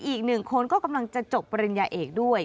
อีกหนึ่งคนก็กำลังจะจบปริญญาเอกด้วย